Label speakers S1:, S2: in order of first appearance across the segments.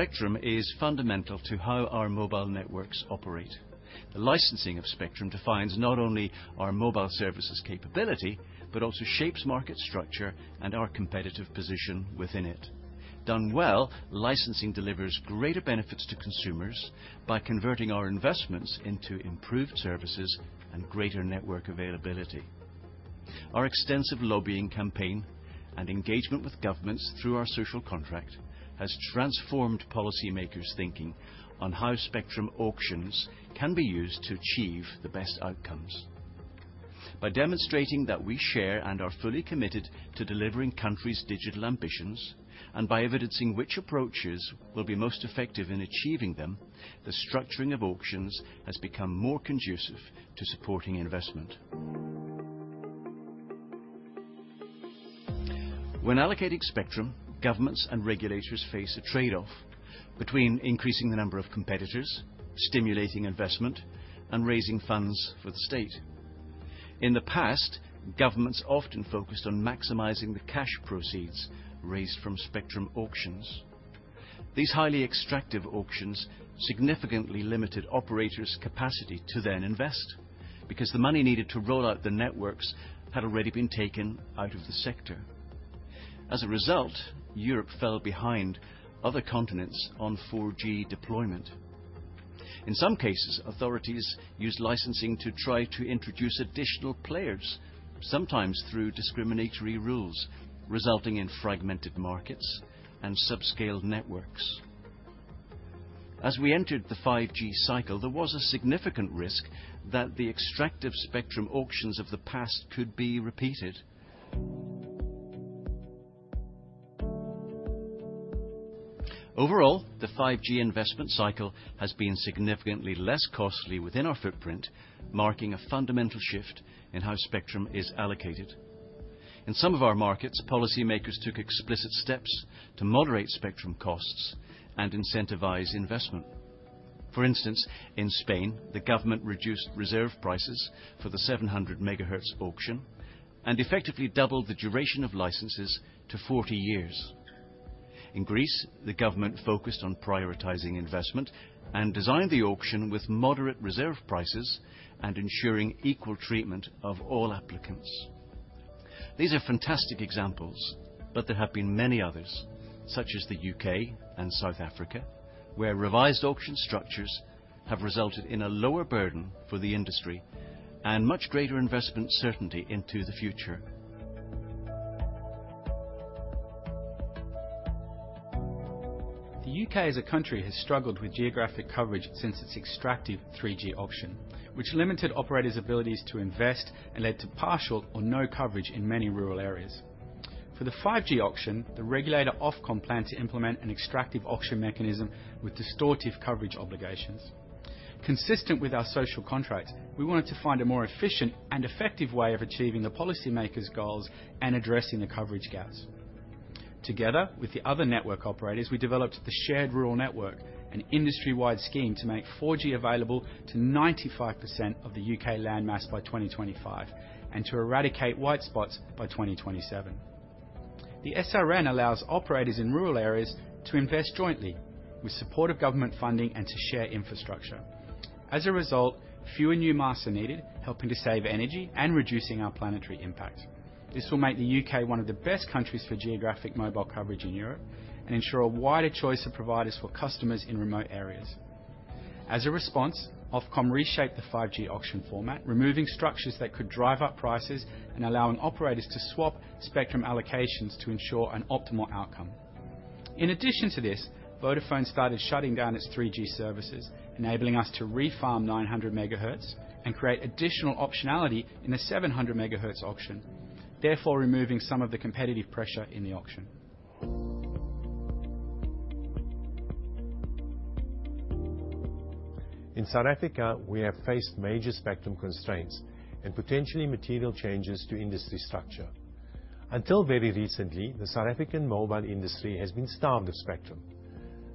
S1: Spectrum is fundamental to how our mobile networks operate. The licensing of spectrum defines not only our mobile services capability, but also shapes market structure and our competitive position within it. Done well, licensing delivers greater benefits to consumers by converting our investments into improved services and greater network availability. Our extensive lobbying campaign and engagement with governments through our Social Contract has transformed policymakers' thinking on how spectrum auctions can be used to achieve the best outcomes. By demonstrating that we share and are fully committed to delivering countries' digital ambitions, and by evidencing which approaches will be most effective in achieving them, the structuring of auctions has become more conducive to supporting investment. When allocating spectrum, governments and regulators face a trade-off between increasing the number of competitors, stimulating investment, and raising funds for the state. In the past, governments often focused on maximizing the cash proceeds raised from spectrum auctions. These highly extractive auctions significantly limited operators' capacity to then invest because the money needed to roll out the networks had already been taken out of the sector. As a result, Europe fell behind other continents on 4G deployment. In some cases, authorities used licensing to try to introduce additional players, sometimes through discriminatory rules, resulting in fragmented markets and subscale networks. As we entered the 5G cycle, there was a significant risk that the extractive spectrum auctions of the past could be repeated. Overall, the 5G investment cycle has been significantly less costly within our footprint, marking a fundamental shift in how spectrum is allocated. In some of our markets, policymakers took explicit steps to moderate spectrum costs and incentivize investment. For instance, in Spain, the government reduced reserve prices for the 700 MHz auction and effectively doubled the duration of licenses to 40 years. In Greece, the government focused on prioritizing investment and designed the auction with moderate reserve prices and ensuring equal treatment of all applicants. These are fantastic examples, but there have been many others, such as the U.K. and South Africa, where revised auction structures have resulted in a lower burden for the industry and much greater investment certainty into the future. The U.K. as a country has struggled with geographic coverage since its extractive 3G auction, which limited operators' abilities to invest and led to partial or no coverage in many rural areas. For the 5G auction, the regulator Ofcom planned to implement an extractive auction mechanism with distortive coverage obligations. Consistent with our Social Contract, we wanted to find a more efficient and effective way of achieving the policymakers' goals and addressing the coverage gaps. Together with the other network operators, we developed the Shared Rural Network, an industry-wide scheme to make 4G available to 95% of the U.K. landmass by 2025 and to eradicate white spots by 2027. The SRN allows operators in rural areas to invest jointly with support of government funding and to share infrastructure. As a result, fewer new masts are needed, helping to save energy and reducing our planetary impact. This will make the U.K. one of the best countries for geographic mobile coverage in Europe and ensure a wider choice of providers for customers in remote areas. As a response, Ofcom reshaped the 5G auction format, removing structures that could drive up prices and allowing operators to swap spectrum allocations to ensure an optimal outcome. In addition to this, Vodafone started shutting down its 3G services, enabling us to refarm 900 MHz and create additional optionality in the 700 MHz auction, therefore removing some of the competitive pressure in the auction. In South Africa, we have faced major spectrum constraints and potentially material changes to industry structure. Until very recently, the South African mobile industry has been starved of spectrum.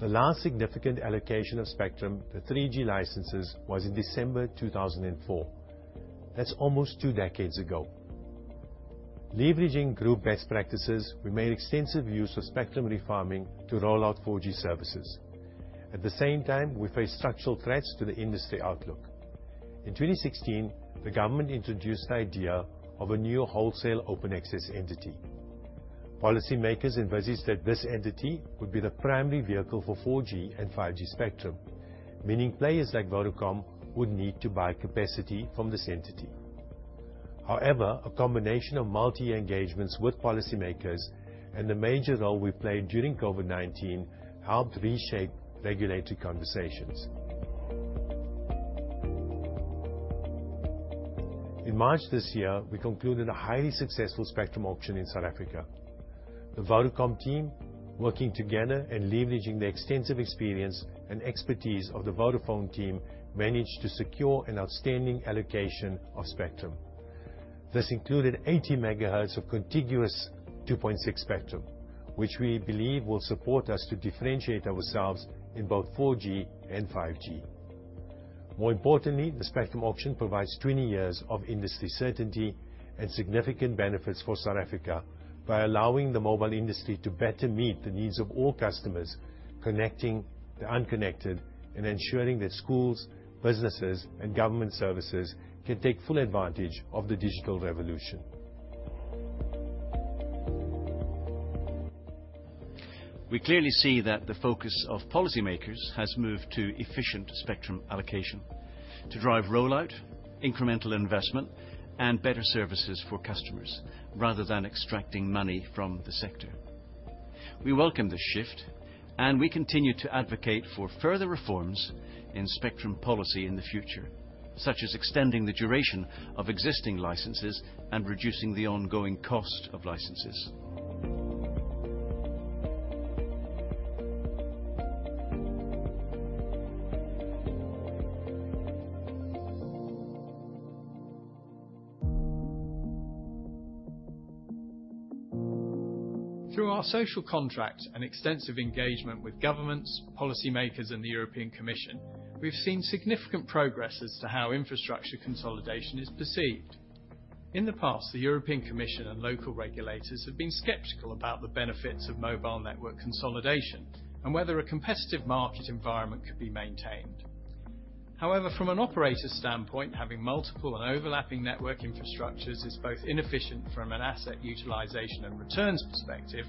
S1: The last significant allocation of spectrum, the 3G licenses, was in December 2004. That's almost two decades ago. Leveraging group best practices, we made extensive use of spectrum refarming to roll out 4G services. At the same time, we faced structural threats to the industry outlook. In 2016, the government introduced the idea of a new wholesale open access entity. Policymakers envisaged that this entity would be the primary vehicle for 4G and 5G spectrum, meaning players like Vodacom would need to buy capacity from this entity. However, a combination of multi-engagements with policymakers and the major role we played during COVID-19 helped reshape regulatory conversations. In March this year, we concluded a highly successful spectrum auction in South Africa. The Vodacom team, working together and leveraging the extensive experience and expertise of the Vodafone team, managed to secure an outstanding allocation of spectrum. This included 80 MHz of contiguous 2.6 GHz spectrum, which we believe will support us to differentiate ourselves in both 4G and 5G. More importantly, the spectrum auction provides 20 years of industry certainty and significant benefits for South Africa by allowing the mobile industry to better meet the needs of all customers, connecting the unconnected, and ensuring that schools, businesses, and government services can take full advantage of the digital revolution. We clearly see that the focus of policymakers has moved to efficient spectrum allocation to drive rollout, incremental investment, and better services for customers, rather than extracting money from the sector. We welcome this shift, we continue to advocate for further reforms in spectrum policy in the future, such as extending the duration of existing licenses and reducing the ongoing cost of licenses. Through our Social Contract and extensive engagement with governments, policymakers, and the European Commission, we've seen significant progress as to how infrastructure consolidation is perceived. In the past, the European Commission and local regulators have been skeptical about the benefits of mobile network consolidation and whether a competitive market environment could be maintained. However, from an operator standpoint, having multiple and overlapping network infrastructures is both inefficient from an asset utilization and returns perspective,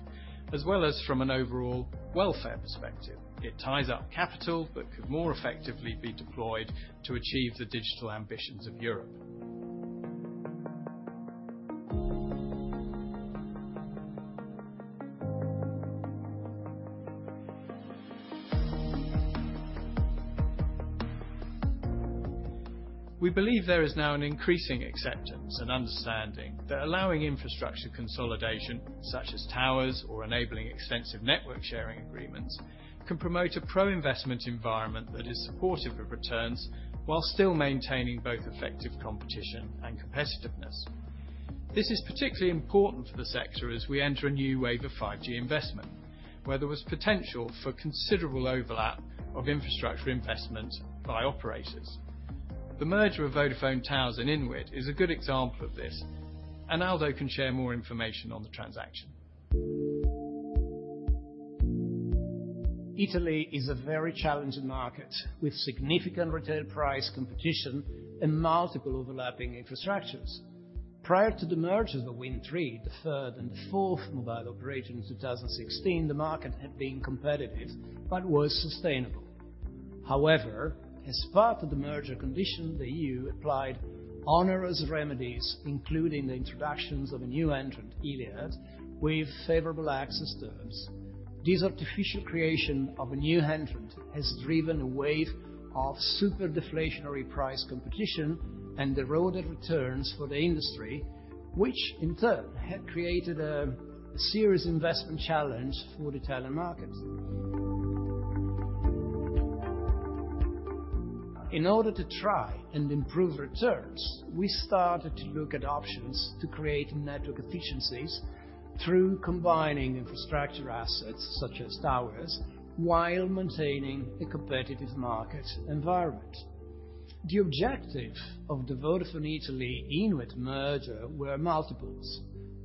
S1: as well as from an overall welfare perspective. It ties up capital, but could more effectively be deployed to achieve the digital ambitions of Europe. We believe there is now an increasing acceptance and understanding that allowing infrastructure consolidation, such as towers or enabling extensive network sharing agreements, can promote a pro-investment environment that is supportive of returns while still maintaining both effective competition and competitiveness. This is particularly important for the sector as we enter a new wave of 5G investment, where there was potential for considerable overlap of infrastructure investment by operators. The merger of Vodafone Towers and INWIT is a good example of this. Aldo can share more information on the transaction.
S2: Italy is a very challenging market with significant retail price competition and multiple overlapping infrastructures. Prior to the merger of Wind Tre, the third and the fourth mobile operator in 2016, the market had been competitive but was sustainable. However, as part of the merger condition, the EU applied onerous remedies, including the introductions of a new entrant, iliad, with favorable access terms. This artificial creation of a new entrant has driven a wave of super deflationary price competition and eroded returns for the industry, which in turn had created a serious investment challenge for the Italian market. In order to try and improve returns, we started to look at options to create network efficiencies through combining infrastructure assets such as towers, while maintaining a competitive market environment. The objective of the Vodafone Italy INWIT merger were multiples.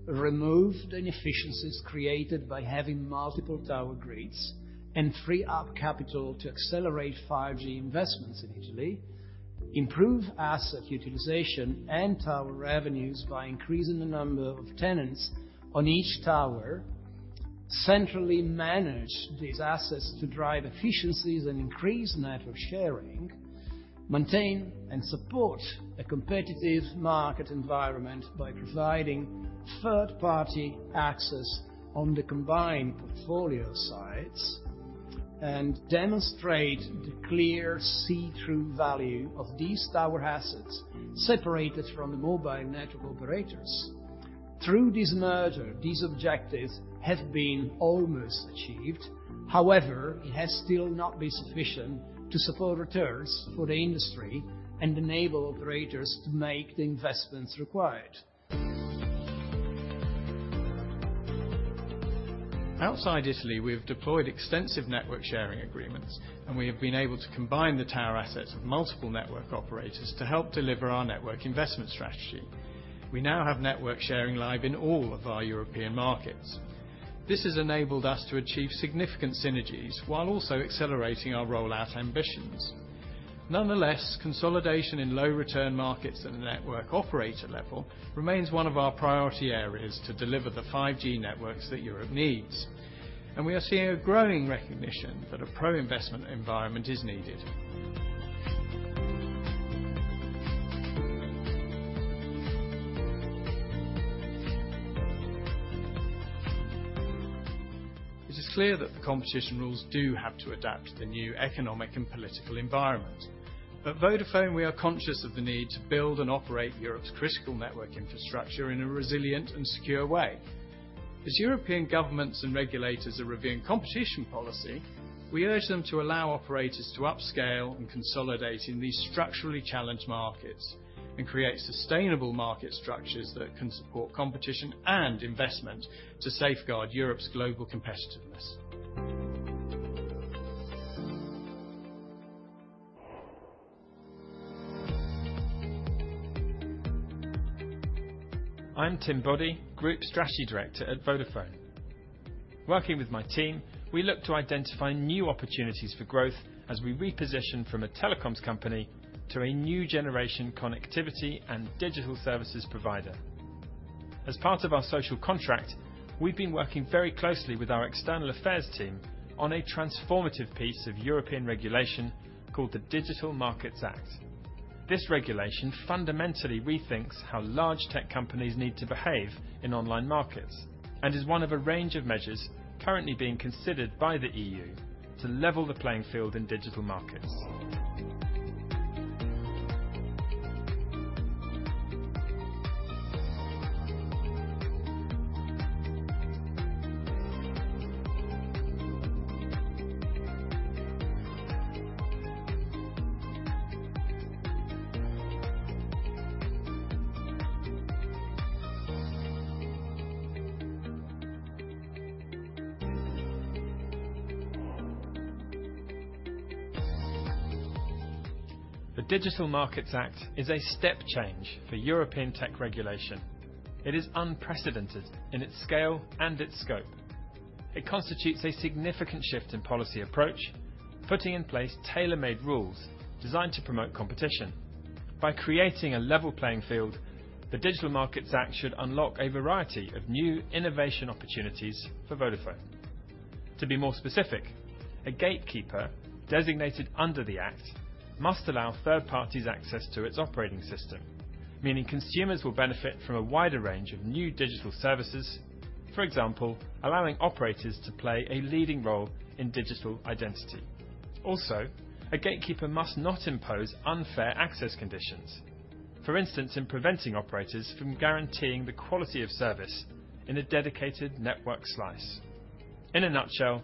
S2: Remove the inefficiencies created by having multiple tower grids and free up capital to accelerate 5G investments in Italy, improve asset utilization and tower revenues by increasing the number of tenants on each tower, centrally manage these assets to drive efficiencies and increase network sharing, maintain and support a competitive market environment by providing third-party access on the combined portfolio sites, and demonstrate the clear see-through value of these tower assets separated from the mobile network operators. Through this merger, these objectives have been almost achieved. However, it has still not been sufficient to support returns for the industry and enable operators to make the investments required.
S1: Outside Italy, we have deployed extensive network sharing agreements, and we have been able to combine the tower assets of multiple network operators to help deliver our network investment strategy. We now have network sharing live in all of our European markets. This has enabled us to achieve significant synergies while also accelerating our rollout ambitions. Nonetheless, consolidation in low return markets at a network operator level remains one of our priority areas to deliver the 5G networks that Europe needs, and we are seeing a growing recognition that a pro-investment environment is needed. It is clear that the competition rules do have to adapt to the new economic and political environment. At Vodafone, we are conscious of the need to build and operate Europe's critical network infrastructure in a resilient and secure way. As European governments and regulators are reviewing competition policy, we urge them to allow operators to upscale and consolidate in these structurally challenged markets and create sustainable market structures that can support competition and investment to safeguard Europe's global competitiveness. I'm Tim Boddy, Group Strategy Director at Vodafone. Working with my team, we look to identify new opportunities for growth as we reposition from a telecoms company to a new generation connectivity and digital services provider. As part of our Social Contract, we've been working very closely with our external affairs team on a transformative piece of European regulation called the Digital Markets Act. This regulation fundamentally rethinks how large tech companies need to behave in online markets and is one of a range of measures currently being considered by the EU to level the playing field in digital markets. The Digital Markets Act is a step change for European tech regulation. It is unprecedented in its scale and its scope. It constitutes a significant shift in policy approach, putting in place tailor-made rules designed to promote competition. By creating a level playing field, the Digital Markets Act should unlock a variety of new innovation opportunities for Vodafone. To be more specific, a gatekeeper designated under the act must allow third parties access to its operating system, meaning consumers will benefit from a wider range of new digital services. For example, allowing operators to play a leading role in digital identity. A gatekeeper must not impose unfair access conditions, for instance, in preventing operators from guaranteeing the quality of service in a dedicated network slice. In a nutshell,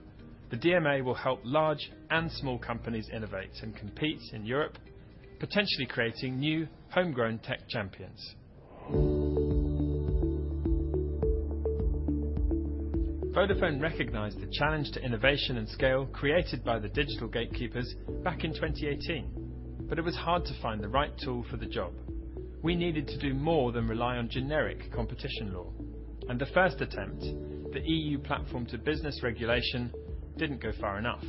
S1: the DMA will help large and small companies innovate and compete in Europe, potentially creating new homegrown tech champions. Vodafone recognized the challenge to innovation and scale created by the digital gatekeepers back in 2018, but it was hard to find the right tool for the job. We needed to do more than rely on generic competition law. The first attempt, the EU Platform-to-Business Regulation, didn't go far enough.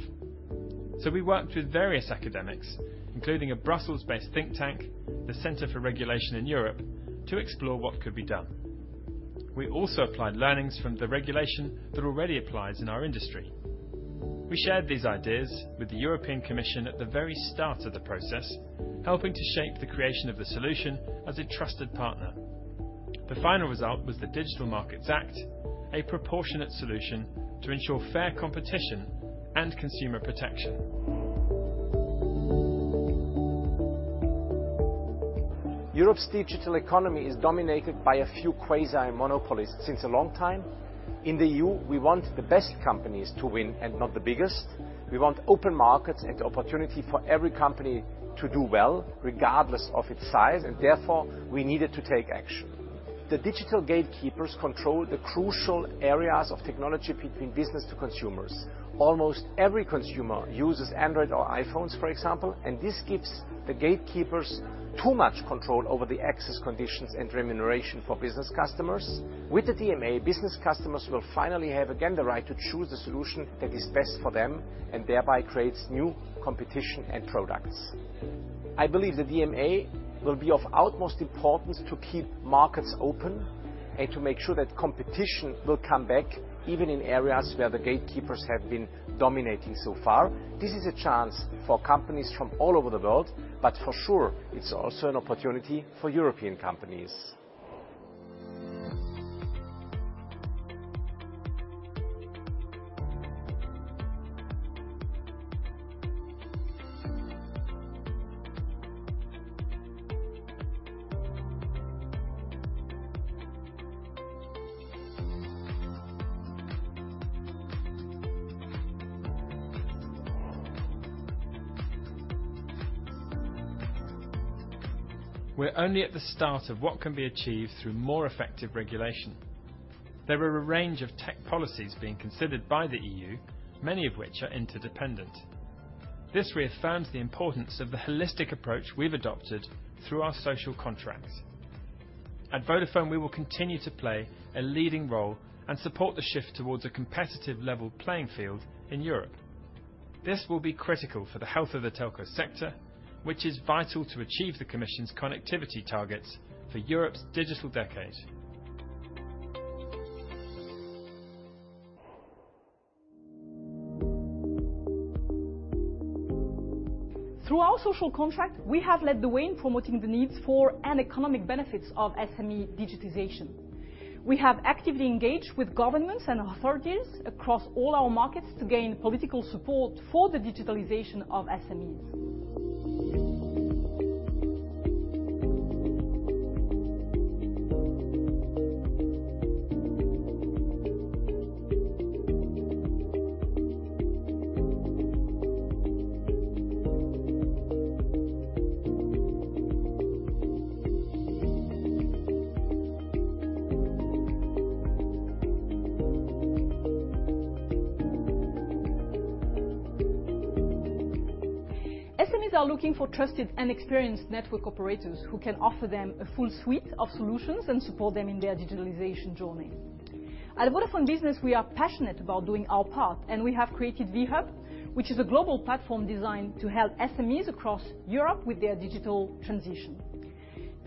S1: We worked with various academics, including a Brussels-based think tank, the Centre on Regulation in Europe, to explore what could be done. We also applied learnings from the regulation that already applies in our industry. We shared these ideas with the European Commission at the very start of the process, helping to shape the creation of the solution as a trusted partner. The final result was the Digital Markets Act, a proportionate solution to ensure fair competition and consumer protection. Europe's digital economy is dominated by a few quasi monopolies since a long time. In the EU, we want the best companies to win and not the biggest. We want open markets and opportunity for every company to do well, regardless of its size, and therefore, we needed to take action. The digital gatekeepers control the crucial areas of technology between business to consumers. Almost every consumer uses Android or iPhones, for example. This gives the gatekeepers too much control over the access conditions and remuneration for business customers. With the DMA, business customers will finally have, again, the right to choose the solution that is best for them and thereby creates new competition and products. I believe the DMA will be of utmost importance to keep markets open and to make sure that competition will come back even in areas where the gatekeepers have been dominating so far. This is a chance for companies from all over the world, but for sure, it's also an opportunity for European companies. We're only at the start of what can be achieved through more effective regulation. There are a range of tech policies being considered by the EU, many of which are interdependent. This reaffirms the importance of the holistic approach we've adopted through our Social Contracts. At Vodafone, we will continue to play a leading role and support the shift towards a competitive level playing field in Europe. This will be critical for the health of the telco sector, which is vital to achieve the Commission's connectivity targets for Europe's Digital Decade.
S3: Through our Social Contract, we have led the way in promoting the needs for and economic benefits of SME digitization. We have actively engaged with governments and authorities across all our markets to gain political support for the digitalization of SMEs. Companies are looking for trusted and experienced network operators who can offer them a full suite of solutions and support them in their digitalization journey. At Vodafone Business, we are passionate about doing our part. We have created V-Hub, which is a global platform designed to help SMEs across Europe with their digital transition.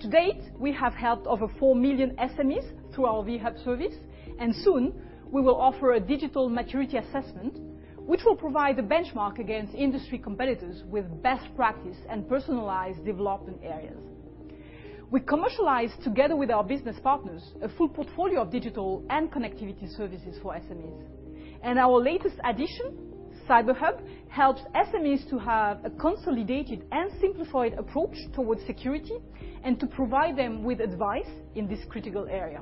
S3: To date, we have helped over four million SMEs through our V-Hub service. Soon we will offer a digital maturity assessment, which will provide a benchmark against industry competitors with best practice and personalized development areas. We commercialize together with our business partners, a full portfolio of digital and connectivity services for SMEs. Our latest addition, CyberHub, helps SMEs to have a consolidated and simplified approach towards security and to provide them with advice in this critical area.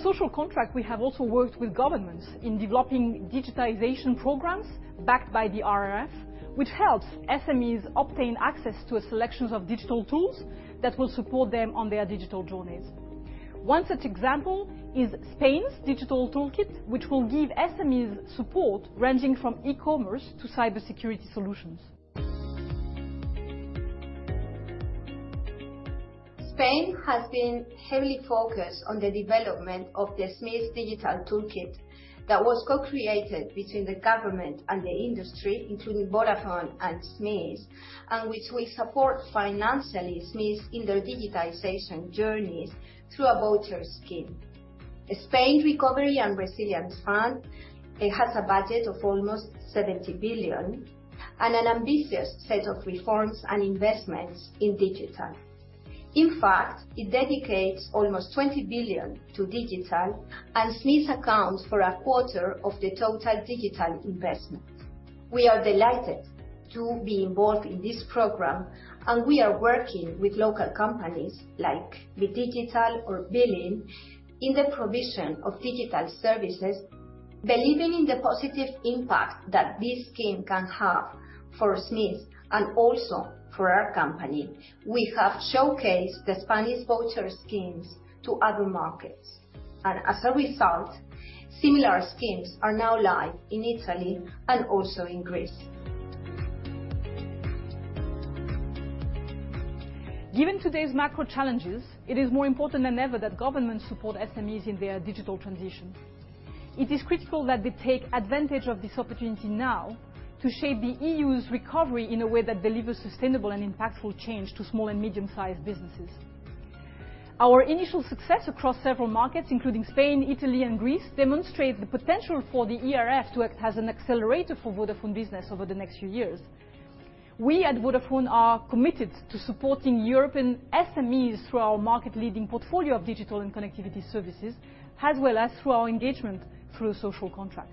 S3: Through our Social Contract, we have also worked with governments in developing digitization programs backed by the RRF, which helps SMEs obtain access to a selections of digital tools that will support them on their digital journeys. One such example is Spain's Kit Digital, which will give SMEs support ranging from e-commerce to cybersecurity solutions. Spain has been heavily focused on the development of the SMEs Kit Digital that was co-created between the government and the industry, including Vodafone and SMEs, and which will support financially SMEs in their digitization journeys through a voucher scheme. Spain Recovery and Resilience Facility has a budget of almost 70 billion and an ambitious set of reforms and investments in digital. In fact, it dedicates almost 20 billion to digital, and SMEs account for a quarter of the total digital investment. We are delighted to be involved in this program, and we are working with local companies like BeeDIGITAL or Billin in the provision of digital services. Believing in the positive impact that this scheme can have for SMEs and also for our company, we have showcased the Spanish voucher schemes to other markets. As a result, similar schemes are now live in Italy and also in Greece. Given today's macro challenges, it is more important than ever that governments support SMEs in their digital transition. It is critical that they take advantage of this opportunity now to shape the EU's recovery in a way that delivers sustainable and impactful change to small and medium-sized businesses. Our initial success across several markets, including Spain, Italy, and Greece, demonstrate the potential for the RRF to act as an accelerator for Vodafone Business over the next few years. We at Vodafone are committed to supporting European SMEs through our market-leading portfolio of digital and connectivity services, as well as through our engagement through a Social Contract.